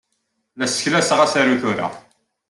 La sseklaseɣ asaru tura.